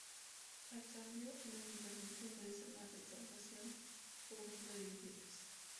A cambio el Ayuntamiento ingresa la recaudación por venta de billetes.